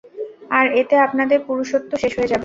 আর এতে আপনাদের পুরুষত্ব শেষ হয়ে যাবে।